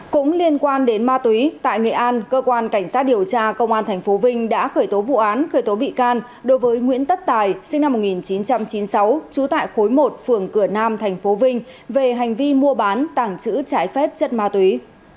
cũng liên quan đến ma túy tại nghệ an cơ quan cảnh sát điều tra công an tp vinh đã khởi tố vụ án khởi tố bị can đối với nguyễn tất tài sinh năm một nghìn chín trăm chín mươi sáu trú tại khối một phường cửa nam tp vinh về hành vi mua bán tàng trữ trái phép chất ma túy